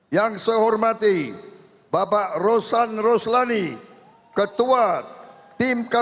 yang saya hormati saudara bahlil lahadalia